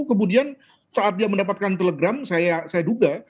kemudian saat dia mendapatkan telegram saya duga